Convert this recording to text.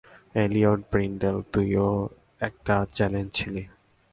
Elliot Brindel তুইও একটা challenge ছিলি।